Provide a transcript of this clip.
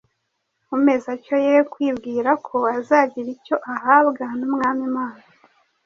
Umeze atyo ye kwibwira ko azagira icyo ahabwa n’Umwami Imana,